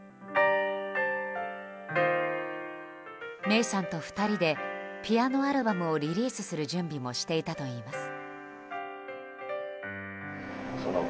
芽生さんと２人でピアノアルバムをリリースする準備もしていたといいます。